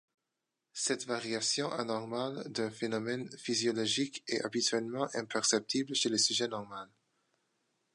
Cette variation anormale d'un phénomène physiologique est habituellement imperceptible chez le sujet normal.